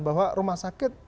bahwa rumah sakit